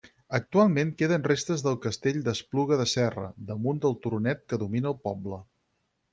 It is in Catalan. Actualment queden restes del castell d'Espluga de Serra, damunt del turonet que domina el poble.